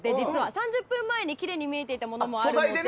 ３０分前にきれいに見えたものがあるのですが。